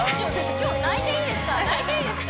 今日泣いていいですか？